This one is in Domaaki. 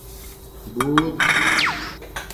بُݸت